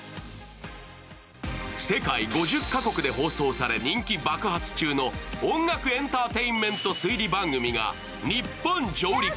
世界５０か国で放送され、人気爆発中の音楽エンターテインメント推理番組が日本上陸。